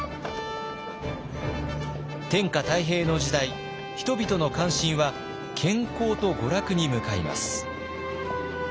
天下太平の時代人々の関心は健康と娯楽に向かいます。